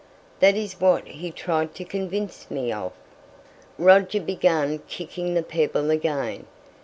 "That is what he tried to convince me of." Roger began kicking the pebble again.